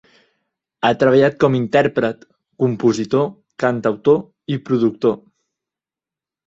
Ha treballat com intèrpret, compositor, cantautor i productor.